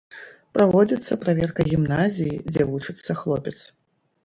Праводзіцца праверка гімназіі, дзе вучыцца хлопец.